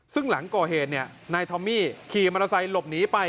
ซึ่งหลังก่อเหตุนายทอมมี่ขี่มอเตอร์ไซค์หลบหนีไป